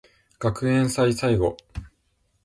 学園祭最後